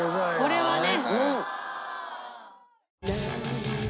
これはね！